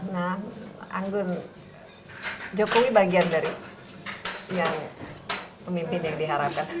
nah anggun jokowi bagian dari yang pemimpin yang diharapkan